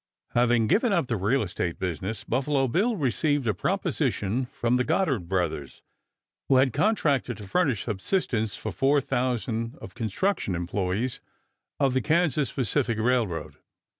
Having given up the real estate business Buffalo Bill received a proposition from the Goddard Brothers, who had contracted to furnish subsistence for thousands of construction employes of the Kansas Pacific Railroad.